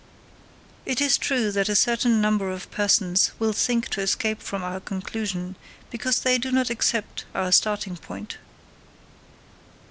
It is true that a certain number of persons will think to escape from our conclusion, because they do not accept our starting point.